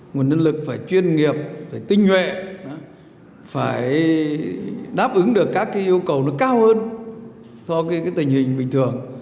nguồn nhân lực phải chuyên nghiệp phải tinh nhuệ phải đáp ứng được các yêu cầu nó cao hơn so với tình hình bình thường